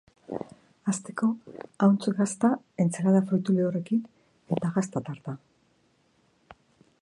Hasteko, ahuntz gazta entsalada fruitu lehorrekin eta gazta tarta.